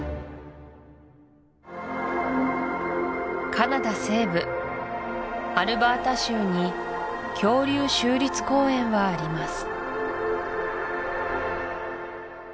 カナダ西部アルバータ州に恐竜州立公園はあります